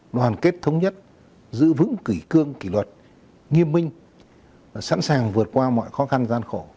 đoàn kết thống nhất giữ vững kỷ cương kỷ luật nghiêm minh sẵn sàng vượt qua mọi khó khăn gian khổ